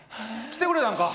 来てくれたんか？